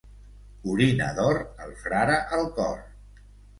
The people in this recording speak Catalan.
Orina d'or, el frare al cor.